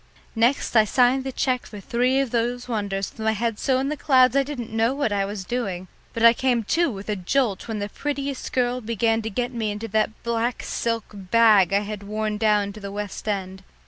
Next I signed the cheque for three of those wonders with my head so in the clouds I didn't know what I was doing, but I came to with a jolt when the prettiest girl began to get me into that black silk bag I had worn down to the West End.